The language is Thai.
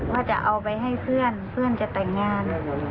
ว่าจะเอาไปให้เพื่อนเพื่อนจะแต่งงาน